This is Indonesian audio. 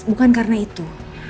bukan karena itu